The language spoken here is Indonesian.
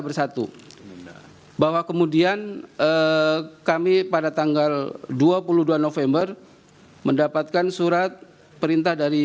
bersatu bahwa kemudian kami pada tanggal dua puluh dua november mendapatkan surat perintah dari